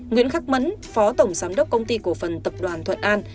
nguyễn khắc mẫn phó tổng giám đốc công ty cổ phần tập đoàn thuận an